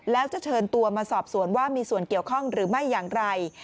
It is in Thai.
แล้วจะเชิญตัวมาสอบสวนว่ามีส่วนเกี่ยวข้องหรือไม่อย่างไร